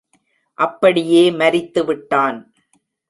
அப்படியே மரித்து விட்டான்!